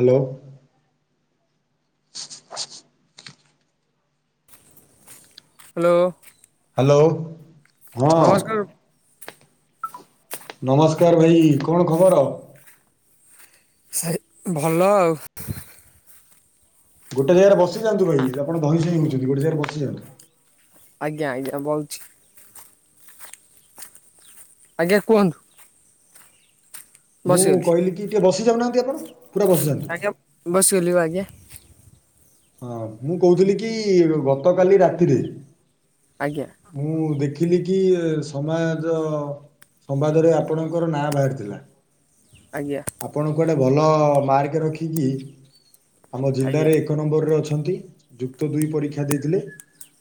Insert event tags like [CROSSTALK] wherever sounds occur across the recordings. Hello! Hello! Hello! ନମସ୍କାର। ନମସ୍କାର! ଭାଇ କଣ ଖବର? ସେ ଭଲ ଆଉ। ଗୋଟେ ଜାଗାରେ ବସିଯାଆନ୍ତୁ। ଭାଇ ଆପଣ ଧଇଁ ସଇଁ ହଉଛନ୍ତି। ଗୋଟେ ଜାଗାରେ ବସିଯାଆନ୍ତୁ। ଆଜ୍ଞା ଆଜ୍ଞା, ବଉଛି। ଆଜ୍ଞା କୁହନ୍ତୁ। ମୁଁ ବସିଗଲି କହିଲି କି ଟିକେ ବସି ଯାଉନାହାଁନ୍ତି ଆପଣ? ପୁରା ବସିଯାଆନ୍ତୁ। ଆଜ୍ଞା ବସିଗଲି ପା ଆଜ୍ଞା। ହଁ ମୁଁ କହୁଥିଲି କି ଗତ କାଲି ରାତିରେ ଆଜ୍ଞା ମୁଁ ଦେ ଦେଖିଲି କି ସମାଜ ସମ୍ବାଦରେ ଆପଣଙ୍କର ନାଁ ବାହାରିଥିଲା। ଆଜ୍ଞା ଆପଣ କୁଆଡ଼େ ଭଲ ମାର୍କ ରଖିକି, ଆମ ଆଜ୍ଞା ଜିଲ୍ଲାରେ ଏକ ନମ୍ବରରେ ଅଛ ଛନ୍ତି। ଯୁକ୍ତ ଦୁଇ ପରୀକ୍ଷା ଦେଇଥିଲେ।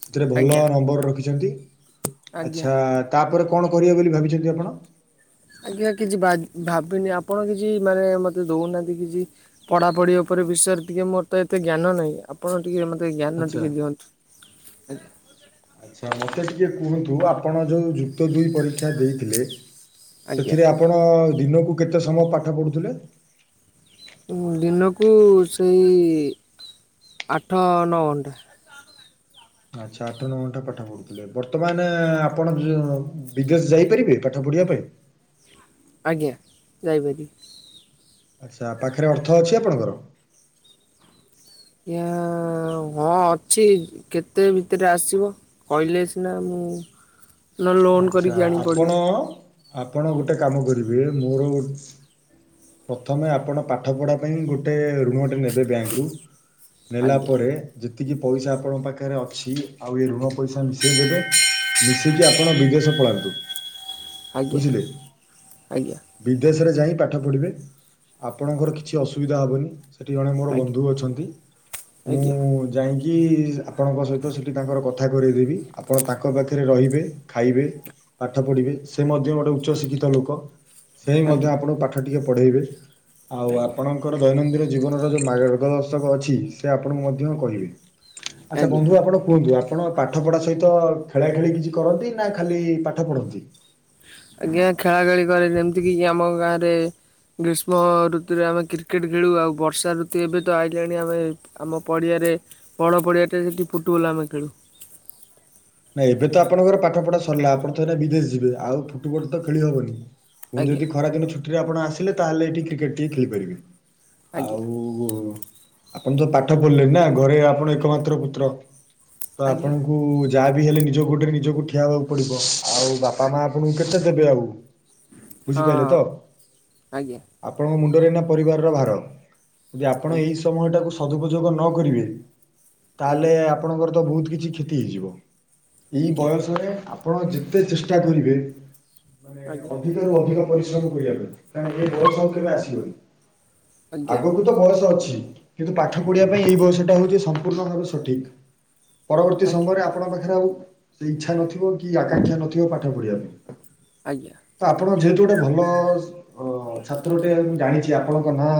ସେଥିରେ ଭଲ ଆଜ୍ଞା ନମ୍ବର ରଖିଛନ୍ତି। ଆଜ୍ଞା ଆଚ୍ଛା ତାପରେ କଣ କରିବେ ବୋଲି ଭାବିଛନ୍ତି ଆପଣ? ଆଜ୍ଞା, କିଛି ଭାବିନି। ଆପଣ କିଛି ମାନେ ମତେ ଦଉନାହାନ୍ତି, କିଛି ପଢାପଢି ଉପରେ ବିଷୟରେ ଟିକେ ମୋର ତ ଏତେ ଜ୍ଞାନ ନାହିଁ। ଆପଣ ଟିକେ ମୋତେ! ଜ୍ଞାନ ଆଚ୍ଛା। ଟିକେ ଦିଅନ୍ତୁ ଆଜ୍ଞା। ମୋତ ଟିକେ କୁହନ୍ତୁ। ଆପଣ ଯେଉଁ ଯୁକ୍ତ ଦୁଇ ପରୀକ୍ଷା ଦେଇଥିଲେ ଆଜ୍ଞା ସେଥିରେ ଆପଣ ଦିନକୁ କେତେ ସମୟ ପାଠ ପଢୁଥିଲେ? ଦିନକୁ ସେଇ ଆଠ ନଅ ଘଣ୍ଟା। ଆଛା, ଆଠ ନ ଘଣ୍ଟା ପାଠ ପଢୁଥିଲେ। ବର୍ତ୍ତମାନ, ଆପଣ ବିଦେଶ ଯାଇପାରିବେ ପାଠ ପଢ ପଢ଼ିଆ ପାଇଁ। ଆଜ୍ଞା ଯାଇପାରିଵି। ଆଛା ପାଖରେ ଅର୍ଥ ଅଛି ଆପଣଙ୍କର। ୟା ହଁ ଅଛି କେତେ ଭିତରେ ଆସିବ କହିଲେ ସିନା ମୁଁ ନହେଲେ ଲୋନ୍ ଆଛା କରିକି ଆଣି ପଡ଼ିବି ଆପଣ। ଆପଣ ଗୋଟେ କାମ କରିବେ ମୋର ପ୍ରଥମେ ଆପଣ ପାଠ ପଢା ପାଇଁ ଗୋଟେ ଋଣ ଟେ ନେବେ ବ୍ୟାଙ୍କ ରୁ ନେଲା ଆଜ୍ଞା ପରେ। ଯେତିକି ପଇସାପଣଙ୍କ ପାଖରେ ଅଛି ଆଉ ଋ ପଇସା ମିଶିକି ଆ ଆପଣ ବିଦେଶ ପଳାନ୍ତୁ ଆଜ୍ଞା ବୁଝିଲେ ଆଜ୍ଞା ବିଦେଶରେ ଯାଇ ପାଠ ପଢିବେ ଆପଣଙ୍କର କିଛି ଅସୁବିଧା ହବନି। ସେଠି ଜଣେ ମୋର ବନ୍ଧୁ ଅଛନ୍ତି ମୁଁ ଆଜ୍ଞା ଆଜ୍ଞା ଯାଇଁକି କି ଆପଣଙ୍କ ସହିତ ସେଠି ତାଙ୍କର କଥା କରେଇଦେବି ଆପଣ ତାଙ୍କ ପାଖରେ ରହିବେ। ଖାଇବେ ପାଠ ପଢ଼ିବେ ସେ ମଧ୍ୟ ଗୋଟଏ ଉଚ୍ଚଶିକ୍ଷିତ ଲୋକ ସେ ହି ମଧ୍ୟ ଆଜ୍ଞା ଆପଣ ପାଠ ଟିକେ ପଢେଇବେ ଆଉ ଆଜ୍ଞା ଆପଣଙ୍କର ଦୈନନ୍ଦିନ ଜୀବନର ଯୋଉ ମାର୍ଗଦର୍ଶକ ଅଛି ସେ ଆପଣଙ୍କୁ ମଧ୍ୟ କହିବେ। ଆଚ୍ଛା ଆଜ୍ଞା ବନ୍ଧୁ ଆପଣ କୁହନ୍ତୁ ଆପଣ ପାଠ ପଢା ସହିତ ଖେଳା ଖେଳି କିଛି କରନ୍ତି। ନା ଖାଲି ପାଠ ପଢନ୍ତି ଆଜ୍ଞା ଖେଳା ଖେଳି କରେ ଯେମିତିକି ଆମ ଗାଁରେ ଗ୍ରୀଷ୍ମ ଋତୁରେ ଆମେ କ୍ରିକେଟ ଖେଳୁ ଆଉ ବର୍ଷା ଋତୁ ଏବେ ତ ଆଇଲାଣି ଆମେ ଆମ ପଡିଆରେ। ରେ ବଡ଼ ପଡ଼ିଆଟେ ସେଠି ଫୁଟବଲ ଆମେ ଖେଳୁ। [INAUDIBLE] ନାଇଁ ଏବେ ତ ଆପଣଙ୍କର ପାଠ ପଢା ସରିଲା ଆପଣ ତ ଏଇ ବିଦେଶ ଯିବେ ଆଉ ଫୁଟବଲ୍ ତ ଖେଳି ହବନି। ପୁଣି ଆଜ୍ଞା ଯଦି ଖରାଦିନ ଛୁଟିରେ ଆପଣ ଆସିଲେ ତାହେଲେ ଏଇଠି କ୍ରିକେଟ୍ ଟିକେ ଖେଳିପାରିବେ। ଆଜ୍ଞା ଆଉ ଉଁ ଆପଣ ତ ପାଠ ପଢିଲେ ନା ଘରେ ଆପଣ ଏକମାତ୍ର ପୁତ୍ର ତ ଆଜ୍ଞା ଆପଣଙ୍କୁ। ଯାହା ବି ହେଲେ ନିଜ ଗୋଡରେ ନିଜକୁ ଠିଆ ହେବାକୁ ପଡିବ ଆଉ ବାପା ମା ଆଜ୍ଞା ଆପଣଙ୍କୁ କେତେ ଦେବେ ଆଉ। ବୁଝିପାଇଲେ ହଁ ତ ଆଜ୍ଞା ଆପଣଙ୍କ ମୁଁଣ୍ଡ ରେ ପରିବାରର ଭାର ଯଦି ଆପଣ ଆଜ୍ଞା ଏଇ ସମୟ ଟାକୁ ସଦୁପଯୋଗ ନ କରିବେ ଆଜ୍ଞା ତାହେଲେ ଆପଣଙ୍କର ତ ବହୁତ କିଛି କ୍ଷତି ହେଇଯିବ। ଏଇ ଆଜ୍ଞା ବୟସରେ ଆପଣ ଯେତେ ଚେଷ୍ଟା କରିବେ ଆଜ୍ଞା ଅଧିକ ରୁ ଅଧିକ ପରିଶ୍ରମ। ମ କରିବା ପାଇଁ କାଁ ଏ ବୟସ କେବେ ଆସିବନି ଆଜ୍ଞା ଆଗକୁ ତ ବୟସ ଅଛି। କିନ୍ତୁ ପାଠ ପଢିବା ପାଇଁ ଏଇ ବୟଷଟା ହଉଛି ସମ୍ପୂର୍ଣ୍ଣ ଭାବେ ସଠିକ। ପରବର୍ତ୍ତୀ ଆଜ୍ଞା ସମୟରେ ଆପଣଙ୍କ ପାଖରେ ଆଉ ସେ ଇଚ୍ଛା ନଥିବ କି ଆକାଂକ୍ଷା ନଥିବ ପାଠ ପଢିବା ପାଇଁ। ଆଜ୍ଞା ତ ଆପଣ ଯେହେତୁ ଗୋଟେ ଭଲ ଓ ଛାତ୍ର ଗୋଟିେ ମୁଁ ଜାଣିଛି ଆପଣଙ୍କ ନାଁ।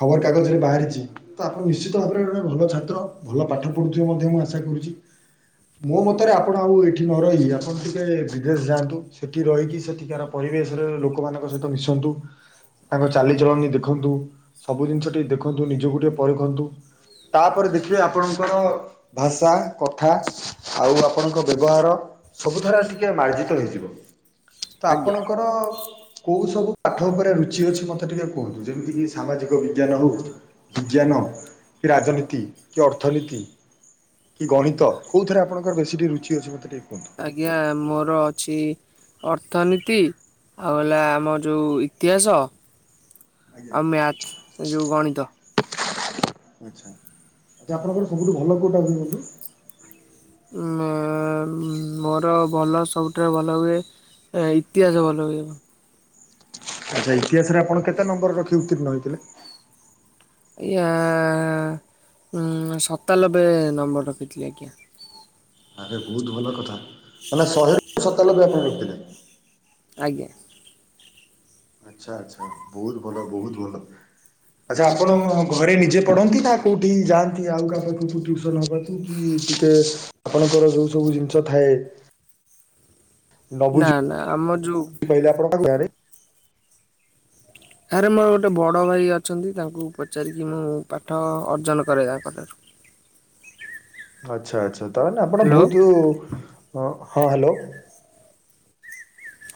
ଖବର କାଗଜ ରେ ବାହାରିଛି ତ ଆପଣ ନିଶ୍ଚିତ ଭାବରେ ଗୋଟେ ଭଲ ଛାତ୍ର ଭଲ ପାଠ ପଢୁଥିବେ ମଧ୍ୟ ମୁଁ ଆଶା କରୁଛି। ରୁଚି ମୋ ମତରେ ଆପଣ ଆଉ ଏଇଠି ନ ରହିି ଆପଣ ଟିକେ ବିଦେଶ ଯାଆନ୍ତୁ ସେଠି ରହିକି ସେଠିକାର ପରି ବେଶ୍ ରେ ଲୋକମାନଙ୍କ ସହିତ ମିଶନ୍ତୁ। ତାଙ୍କ ଚାଲିଚଳଣି ଦେଖନ୍ତୁ ସବୁ ଜିନିଷ ଟିକେ ଦେଖନ୍ତୁ ନିଜକୁ ଟିକେ ପରଖନ୍ତୁ। ତାପରେ ଦେଖିବେ ଆପଣଙ୍କର ଭାଷା କଥା। ଆଉ ଆପଣଙ୍କ ବ୍ୟବହାର ସବୁଠାରେ ଟିକେ ମାର୍ଜିତ ହେଇଯିବ। ତ ଆଜ୍ଞା ଆପଣଙ୍କର କେଉଁ ସବୁ ପାଠ ଉପରେ ରୂଚି ଅଛି ମୋତେ ଟିକେ କୁହନ୍ତୁ ଯେମିତିକି ସାମାଜିକ ବିଜ୍ଞାନ ହଉ ବିଜ୍ଞାନ। କି ରାଜନୀତି କି ଅର୍ଥନୀତି କି ଗଣିତ। କଉଥିରେ ଆପଣଙ୍କର ବେଶୀି ଟିକେ ଋଚି ଅଛି ମତେ ଟିକେ କୁହନ୍ତୁ। ଆଜ୍ଞା ମୋର ଅଛି ଅର୍ଥନୀତି ଆଉ ହେଲା ଆମର ଯେଉଁ ଇତିହାସ। ଆଜ୍ଞା ଆଉ ମ୍ୟାଥ ଯୋଉ ଗଣିତ। ଆଚ୍ଛା ଆଚ୍ଛା, ଆପଣଙ୍କର ସବୁଠୁ ଭଲ କେଉଁଟା ବୁଝନ୍ତି ମେ [UNINTELLIGIBLE] ଉ ମୋର ଭଲ ସବୁଠାରୁ ଭଲ ହୁଏ, ଇତିହାସ ଭଲ ହୁଏ। ଆଛା ଇତିହାସରେ ଆପଣ କେତେ ନମ୍ବର ରଖି ଉତୀର୍ଣ ହେଇଥିଲେ। ଆଜ୍ଞା ଉ ସତାନବେ ନମ୍ବର ରଖିଥିଲି, ଆଜ୍ଞା। ଆରେ ବହୁତ ଭଲ କଥା ମାନେ ଶହେରୁ ସତାଲବେ ଆପଣ ରଖିଥିଲେ ଆଜ୍ଞା। ଆଛା ଆଛା, ବହୁତ ଭଲ ବହୁତ ଭଲ ଆଚ୍ଛା ଆପଣ ଘରେ ନିଜେ ପଢନ୍ତି ନା କୋଉଠି ଯାଆନ୍ତି ଆଉ କାହା ପାଖକୁ ଟିଉସନ ହବାକୁ କି? ଟିକେ ଆପଣଙ୍କର ଯୋଉ ସବୁ ଜିନିଷ ଥାଏ। ନା ନା ଆମର ଯେଉଁ କରେ ଆରେ ମୋର ଗୋଟେ ବଡ ଭାଇ ଅଛନ୍ତି ତାଙ୍କୁ ପଚାରିକି ମୁଁ ପାଠ ଅର୍ଜନ କରେ ତାଙ୍କଠାରୁ [INAUDIBLE] ଆଚ୍ଛା ଆଚ୍ଛା, ତାହେଲେ ଆପଣ ହ୍ୟାଲୋ ବହୁତ, ହଁ ହାଲୋ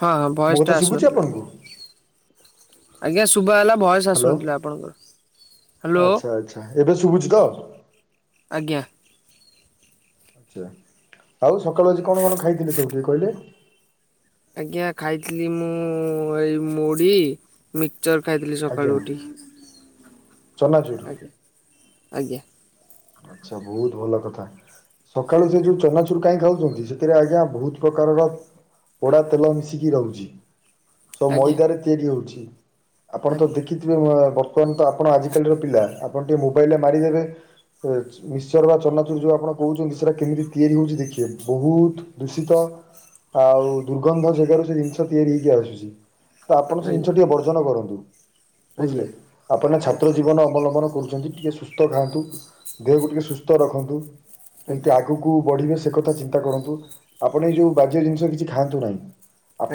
ହଁ ହଁ ଭୟସ ଟା ଆସୁନଥିଲା, ଆଜ୍ଞା ଆପଣଙ୍କୁ? ଆଜ୍ଞା ଶୁଭ ହେଲା, ଭୟସ୍ ହ୍ୟାଲୋ ଆସୁନଥିଲା ଆପଣଙ୍କର ହ୍ୟାଲୋ ଆଚ୍ଛା ଆଚ୍ଛା। ଏବେ ଶୁଭୁଛି ତ ଆଜ୍ଞା। ଆଛା, ଆଉ ସକାଳୁ ଆଜି କଣ କଣ ଖାଇଥିଲେ ସବୁଟିକେ କହିଲେ ଆଜ୍ଞା, ଖାଇଥିଲି ମୁଁ ଏଇ ମୁଢି ଚର୍ [UNINTELLIGIBLE] ଖାଇଥିଲି ଆଜ୍ଞା ସକାଳୁ ଉଠି ଚନାଚୁର ଆଜ୍ଞା ଆଜ୍ଞା। ଆଛା, ବହୁତ ଭଲ କଥା। ସକାଳୁ ସେ ଯୋଉ ଚନାଚୁରୁ କାହିଁ ଖାଉଛନ୍ତି ସେଥିରେ ଆଜ୍ଞା ବହୁତ ପ୍ରକାରର ପୋଡା ତେଲ ମିଶିକି ରହୁଛି ସବୁ ଆଜ୍ଞା ମାଇଦାରେ ତିଆରି ହଉଛି। ଆପଣ ତ ଆଜ୍ଞା ଦେଖିଥିବେ ବର୍ତ୍ତମାନ ତ ଆପଣ ଆଜିକାଲିର ପିଲା ଆପଣ ଟିକେ ମୋବାଇଲରେ ମାରିଦେବେ ମିଶ୍ଚର ବା ଚନାଚୁର ଯୋଉ ଆପଣ କହୁଛନ୍ତି ସେଟା କେମିତି ତିଆରି ହଉଛି ଦେଖିବେ ବହୁତ ଦୂଷିତ ଆଉ ଦୁର୍ଗନ୍ଧ ଜାଗାରୁ ସେ ଜିନିଷ ତିଆରି ହେଇକି ଆସୁଛି। ତ ଆପଣ ସେ ଆଜ୍ଞା ଜିନିଷ ଟିକେ ବର୍ଜନ କରନ୍ତୁ ବୁଝିଲେ, ଆଜ୍ଞା ଆପଣ ଆଜ୍ଞା ଆଜ୍ଞା ଛାତ୍ର ଜୀବନ ଅବଲମ୍ବନ କରୁଛନ୍ତି। ଯଦି ଟିକେ ସୁସ୍ଥ ଖାଆନ୍ତୁ ଦେହକୁ ଟିକେ ସୁସ୍ଥ ରଖନ୍ତୁ କେମତି ଆଗକୁ ବଢ଼ିବେ ସେ କଥା ଚିନ୍ତା କରନ୍ତୁ ଆପଣ ଏଇ ଯୋଉ ବାଜ୍ୟ ଜିନିଷ କିଛି ଖାଆନ୍ତୁ ନାହିଁ,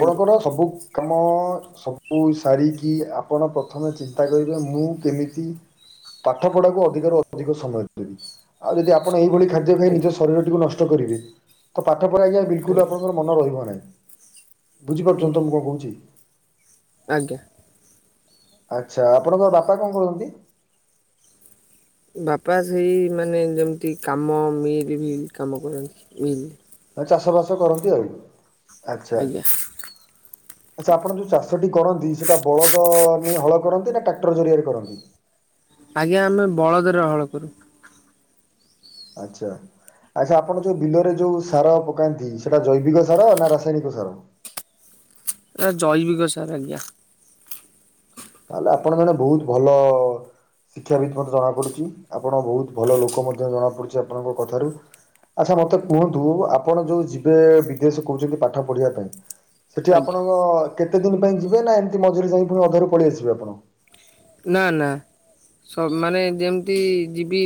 ଆଜ୍ଞା ଆଜ୍ଞା ସବୁ କାମ ସବୁ ସାରିକି ଆପଣ ପ୍ରଥମେ ଚିନ୍ତା କରିବେ ମୁଁ କେମିତି? ପାଠ ପଢାକୁ ଅଧିକ ର ଅଧିକ ସମୟ ଆଉ ଯଦି ଆପଣ ଏଇଭଳି ଖାଦ୍ୟ ଖାଇ ନିଜ ଶରୀରଟିକୁ ନଷ୍ଟ କରିବେ, ତ ପାଠରେ, ଆଜ୍ଞା ବିଲକୁଲ ଆପଣଙ୍କ ମନ ରହିବ ନାହିଁ ବୁଝିପାରୁଛ ତ ଆଜ୍ଞା ମୁଁ କଣ କହୁଛି? ଆଜ୍ଞା। ଆଛା ଆପଣଙ୍କର ବାପା କଣ କରନ୍ତି? ବାପା ସେଇ ମାନେ ଯେମିତି କାମ -ମିଲ, ମିଲ କାମ କରନ୍ତି ମିଲ ଚାଷ ବାସ କରନ୍ତି ଆଉ, ଆଛା, ଆଜ୍ଞା ଆଛା, ଆପଣ ଯଉ ଚାଷ ସେଠି କରନ୍ତି ସେଟା ବଳଦ ନେଇ ହଳ କରନ୍ତି ନା ଟ୍ରାକ୍ଟର ଜରିଆରେ କରନ୍ତି। ଆଜ୍ଞା ଆମେ ବଳଦରେ ହଳ କରୁ। ଆଚ୍ଛା। ଆଚ୍ଛା ଆପଣ ଯୋଉ ବିଲରେ ଯୋଉ ସାର ପକାନ୍ତି ସେଟା ଜୈବିକ ସାର ନା ରାସାୟନିକ ସାର? [INAUDIBLE] ଏ ଜୟବିକ ସାର ଆଜ୍ଞା। ତାହେଲେ ଆପଣ ମାନେ ବହୁତ ଭଲ ଶିକ୍ଷାବିତ୍ ମଧ୍ୟ ଜଣା ପଡୁଛି ଆପଣ ବହୁତ ଭଲ ଲୋକ ମଧ୍ୟ ଜଣା ପଡୁଛି ଆପଣଙ୍କ କଥାରୁ ଆଚ୍ଛା, ମତେ କୁହନ୍ତୁ ଆପଣ ଯୋଉ ଯିବେ ବିଦେଶ କହୁଛନ୍ତି ପାଠ ପଢିବା ପାଇଁ ସେଠି ଆଜ୍ଞା। ଆପଣଙ୍କ କେତେ ଦିନ ପାଇଁ ଯିବେ ନା ଏମିତି ମଝିରେ ଯାଇ ପୁଣି ଅଧାରୁ ପଳେଇ ଆସିବେ ଆପଣ? ନା ନା ସ ମାନେ ଯେମିତି ଯିବି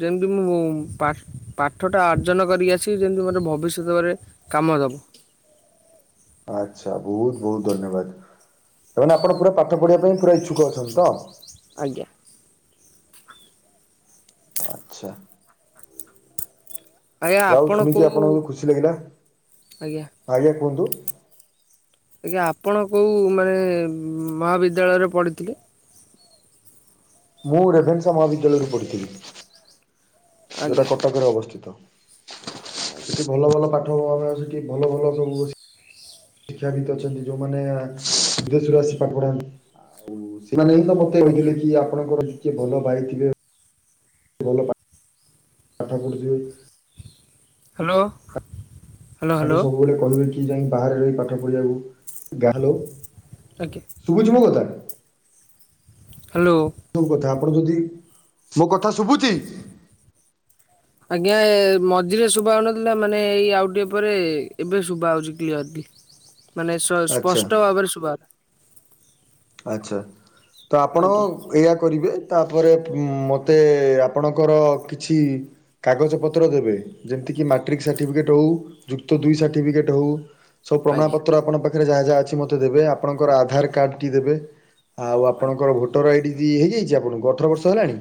ଯେମିତି ମୁଁ ପାଠ୍ ପାଠଟା ଅର୍ଜନ କରିକି ଆସିବି ଯେମିତି ମୋର ଭବିଷ୍ୟତରେ କାମ ଦବ। ଆଚ୍ଛା ବହୁତ୍ ବହୁତ୍ ଧନ୍ୟବାଦ। ତାହେଲେ ଆପଣ ପୁରା ପାଠ ପଢ଼ିବା ପାଇଁ ପୁରା ଇଚ୍ଛୁକ ଅଛନ୍ତି ତ? ଆଜ୍ଞା। ଆଚ୍ଛା। ଆଜ୍ଞା ଆଉ ଆପଣ ଶୁଣିକି କୋଉ ଆପଣଙ୍କୁ ଖୁସି ଲାଗିଲା ଆଜ୍ଞା ଆଜ୍ଞା କୁହନ୍ତୁ। ଆଜ୍ଞା ଆପଣ କୋଉ ମାନେ ମହାବିଦ୍ୟାଳୟରେ ପଢ଼ିଥିଲେ? ମୁଁ ରେଭେନ୍ସା ମହାବିଦ୍ୟାଳୟରୁ ପଢ଼ିଥିଲି। ସେଟା ଆଜ୍ଞା କଟକରେ ଅବସ୍ଥିତ। ଆଜ୍ଞା ସେଠି ଭଲ ଭଲ ପାଠ ପଢା ଆମ ସେଠି ଭଲ ଭଲ ସବୁ ଶିକ୍ଷାବିତ୍ ଅଛନ୍ତି ଯୋଉମାନେ ବିଦେଶରୁ ଆସି ପାଠ ପଢ଼ାନ୍ତି। ସେମାନେ ହିଁ ତ ମତେ ଆଜ୍ଞା କହିଥିଲେ କି ଆପଣଙ୍କର ଟିକେ ଭଲ ଭାଇ ଥିବେ ଭଲ ପା ପାଠ ପଢୁ଼ଥିବେ। ହ୍ୟାଲୋ। ହ୍ୟାଲୋ ତାକୁ ହ୍ୟାଲୋ ସବୁବେଳେ କହିବେ କି ଯାଇ ବାହାରେ ରହି ପାଠ ପଢ଼ିବାକୁ [UNINTELLIGIBLE] ଆଜ୍ଞା ଶୁଭୁଛି ମୋ କଥା। ହ୍ୟାଲୋ। [UNINTELLIGIBLE] କଥା ଆପଣ ଯଦି ମୋ କଥା ଶୁଭୁଚି। ଆଜ୍ଞା ମଝିରେ ଶୁଭ ହଉନଥିଲା ମାନେ ଏଇ ଆଉ ଟିକେ ପରେ ଏବେ ଶୁଭା ହଉଛି କ୍ଲିୟର କି। [INAUDIBLE] ମାନେ ସ ଆଚ୍ଛା ସ୍ପଷ୍ଟ ଭାବରେ ଶୁଭା ଆଚ୍ଛା ତ ଆପଣ ଆଜ୍ଞା ଏଇଆ କରିବେ। ତାପରେ ମତେ ଆପଣଙ୍କର କିଛି କାଗଜପତ୍ର ଦେବେ ଯେମିତିକି ମାଟ୍ରିକ୍ ସାର୍ଟିଫିକେଟ୍ ହେଉ ଯୁକ୍ତ ଦୁଇ ସାର୍ଟିଫିକେଟ୍ ହେଉ। ସବୁ ପ୍ରମାଣ ଆଜ୍ଞା ପତ୍ର ଆପଣଙ୍କ ପାଖରେ ଯାହା ଯାହା ଅଛି ମତେ ଦେବେ ଆପଣଙ୍କର ଆଧାର କାର୍ଡ ଟି ଦେବେ। ଆଉ ଆଜ୍ଞା। ଆପଣଙ୍କର ଭୋଟର ଆଇଡି [UNINTELLIGIBLE] ହେଇଯାଇଛି ଆପଣଙ୍କୁ ଅଠର ବର୍ଷ ହେଲାଣି?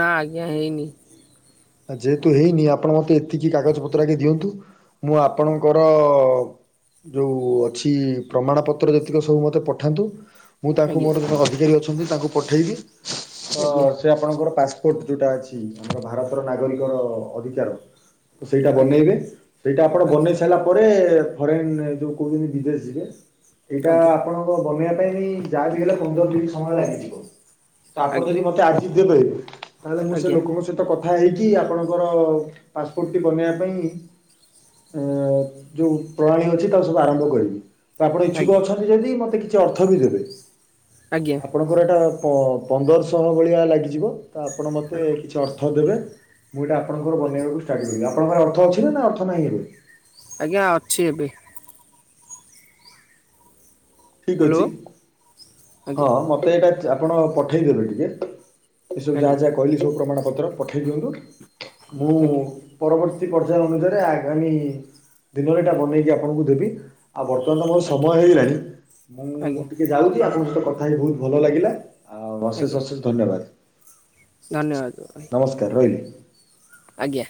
ନା ଆଜ୍ଞା ହେଇନି। ଯେହେତୁ ହେଇନି ଆପଣ ମତେ ଏତିକି କାଗଜ ପତ୍ର ଆଗେ ଦିଅନ୍ତୁ। ମୁଁ ଆପଣଙ୍କର ଯୋଉ ଅଛି ପ୍ରମାଣ ପତ୍ର ଯେତିକ ସବୁ ମତେ ପଠାନ୍ତୁ। ମୁଁ ତାଙ୍କୁ ଆଜ୍ଞା ମୋର ଜଣେ ଅଧିକାରୀ ଅଛନ୍ତି ତାଙ୍କୁ ପଠେଇବି ତ ଆଜ୍ଞା ସେ ଆପଣଙ୍କର ପା କୋଟ୍ ଯୋଉଟା ଅଛି ଆମର ଭାରତର ନାଗରିକର ଅଧିକାର। ସେଇଟା ଆଜ୍ଞା ବନେଇବେ ସେଇଟା ଆପଣ ବନେଇ ସାରିଲା ପରେ [UNINTELLIGIBLE] ସେଇଟା ଆଜ୍ଞା ଆପଣଙ୍କ ବନେଇବା ସେଥିପାଇଁ ଯାହା ବିି ହେଲେ ପନ୍ଦର ଦିନି ସମୟ ଲାଗିଯିବ ତ ଆପଣ ଯଦି ଆଜ୍ଞା ମତେ ଆଜି ଦେବେ ତାହେଲେ ମୁଁ ସେ ଆଜ୍ଞା ଲୋକଙ୍କ ସହିତ କଥା ହେଇକି ଆପଣଙ୍କର ପାସପୋର୍ଟ ଟି ବନେଇବା ପାଇଁ ଯୋଉ ପ୍ରଣାଳୀ ଅଛି ତା ସବୁ ଆରମ୍ଭ କରିବି। ତ ଆପଣ ଇଚ୍ଛୁକ ଆଜ୍ଞା ଆଜ୍ଞା ଅଛନ୍ତି ଯଦି ମୋତେ କିଛି ଅର୍ଥ ବି ଦେବେ ଆଜ୍ଞା ଆପଣଙ୍କର ଏଇଟା--‌ ପନ୍ଦରଶହ ଭଳିଆ ଲାଗିଯିବ ତ ଆପଣ ମତେ କିଛି ଅର୍ଥ ଦେବେ। ମୁଁ ଏଇଟା ଆପଣଙ୍କର ଆଜ୍ଞା ବନେଇବାକୁ ଷ୍ଟାର୍ଟ କରିବି ଆପଣଙ୍କ ଅର୍ଥ ଅଛି ନା ଅର୍ଥ ନାହିଁ ଏବେ? ଆଜ୍ଞା ଅଛି ଏବେ। ଠିକ୍ ହ୍ୟାଲୋ ଅଛି ହଁ ଆଜ୍ଞା ମତେ ଏଇଟା ଆପଣ ପଠେଇଦବେ ଟିକେ। ଏସବୁ ଯାହା ଆଜ୍ଞା ଯାହା କହିଲି ସବୁ ପ୍ରମାଣ ପତ୍ର ପଠେଇ ଦିଅନ୍ତୁ ମୁଁ ଆଜ୍ଞା ଆଜ୍ଞା ପରବର୍ତ୍ତୀ ପର୍ଯ୍ୟାୟ ଅନୁସାରେ ଆଗାମୀ ଦିନରେ ଏଇଟା ବନେଇକି ଆପଣଙ୍କୁ ଦେବି। ଆଉ ବର୍ତ୍ତମାନ ତ ମୋର ସମୟ ହେଇଗଲାଣି ମୁଁ ଆଜ୍ଞା ଟିକେ ଯାଉଛି ଆପଣଙ୍କ ସହିତ କଥା ହେଇକି ବହୁତ୍ ଭଲ ଲାଗିଲା। ଆଉ ଆଜ୍ଞା ଅଶେଷ ଅଶେଷ ଧନ୍ୟବାଦ। ଧନ୍ୟବାଦ ଭାଇ। ନମସ୍କାର ରହିଲି। ଆଜ୍ଞା।